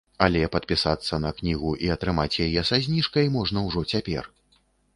Але падпісацца на кнігу і атрымаць яе са зніжкай можна ўжо цяпер.